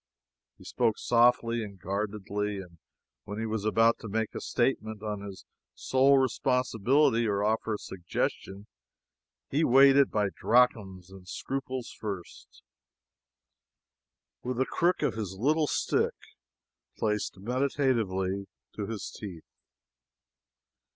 He spoke softly and guardedly; and when he was about to make a statement on his sole responsibility or offer a suggestion, he weighed it by drachms and scruples first, with the crook of his little stick placed meditatively to his teeth.